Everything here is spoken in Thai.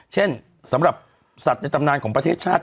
เช่นสำหรับสัตว์ในตำนานของประเทศชาติ